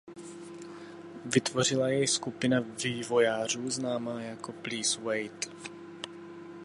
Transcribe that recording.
Vytvořila jej skupina vývojářů známá jako Please wait.